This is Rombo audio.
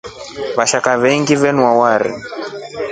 Vashaka venyengi venywa wari.